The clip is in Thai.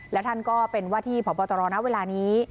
และท่านก็เป็นว่าที่พบตรนะเวลานี้